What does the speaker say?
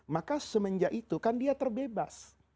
maka semenjak itu kan dia terbebas